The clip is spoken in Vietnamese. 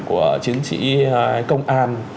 của chiến sĩ công an